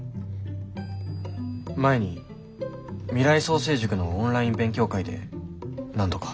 前に未来創成塾のオンライン勉強会で何度か。